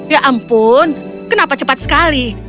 ya ampun kenapa cepat sekali